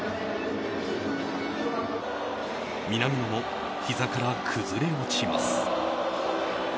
南野も、ひざから崩れ落ちます。